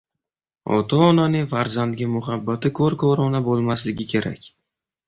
Ota-onaning farzandga muhabbati ko‘r-ko‘rona bo‘lmasligi kerak.